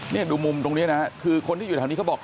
นี่ดูมุมตรงนี้นะคือคนที่อยู่แถวนี้เขาบอก